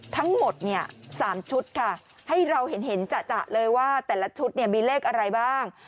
ทั้งหมดเนี่ย๓ชุดค่ะให้เราเห็นจะเลยว่าแต่ละชุดเนี่ยมีเลขอะไรบ้าง